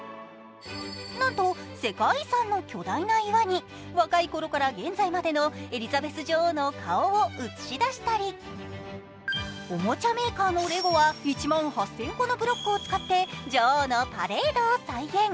なんと世界遺産の巨大な岩に若いころから現在までのエリザベス女王の顔を映し出したり、おもちゃメーカーのレゴは１万８０００個のブロックを使って女王のパレードを再現。